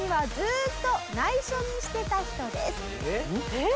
えっ？